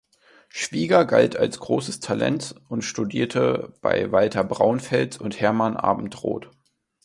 Schwieger galt als großes Talent und studierte bei Walter Braunfels und Hermann Abendroth.